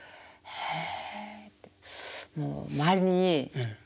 へえ。